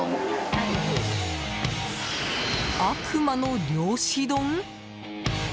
悪魔の漁師丼？